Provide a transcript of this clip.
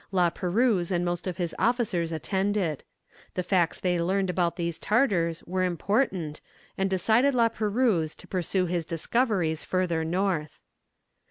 La Perouse and most of his officers attended. The facts they learned about these Tartars were important, and decided La Perouse to pursue his discoveries further north.